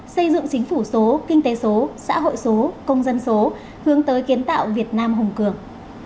xây dựng chính phủ số kinh tế số xã hội số công dân số hướng tới kiến tạo việt nam hùng cường